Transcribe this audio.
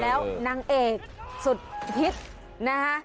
แล้วนางเอกสุดฮิตนะคะ